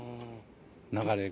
流れが。